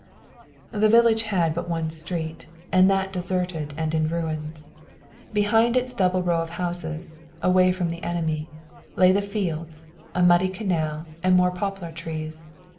The village had but one street, and that deserted and in ruins. Behind its double row of houses, away from the enemy, lay the fields, a muddy canal and more poplar trees.